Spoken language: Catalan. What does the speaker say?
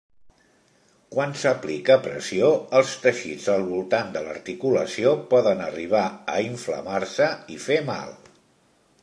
Quan s'aplica pressió, els teixits al voltant de l'articulació poden arribar a inflamar-se i fer mal.